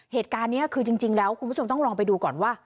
เหตุการณ์นี้คือจริงแล้วคุณผู้ชมต้องลองไปดูก่อนว่า